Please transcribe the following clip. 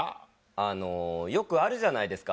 あのよくあるじゃないですか。